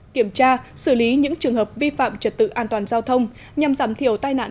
kiểm tra xử lý những trường hợp vi phạm trật tự an toàn giao thông nhằm giảm thiểu tai nạn